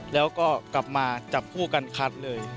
แล้วก็กลับมาจับคู่กันคัดเลย